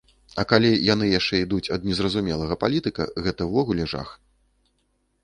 А калі яны яшчэ ідуць ад незразумелага палітыка, гэта ўвогуле жах.